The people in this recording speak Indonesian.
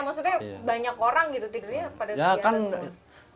maksudnya banyak orang gitu tidurnya pada di atas